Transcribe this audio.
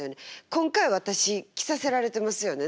今回私着させられてますよね。